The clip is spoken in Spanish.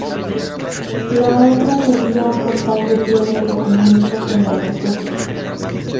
La otra sería un portal de piedra que comunica con el refugio.